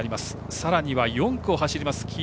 さらには、４区を走ります